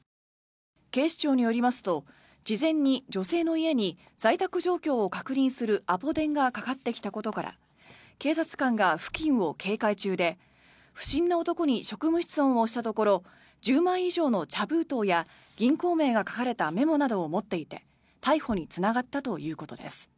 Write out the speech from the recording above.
警視庁によりますと事前に女性の家に在宅状況を確認するアポ電がかかってきたことから警察官が付近を警戒中で不審な男に職務質問をしたところ１０枚以上の茶封筒や銀行名が書かれたメモなどを持っていて逮捕につながったということです。